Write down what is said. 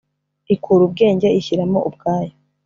ikura ubwenge ishyira mo ubwayo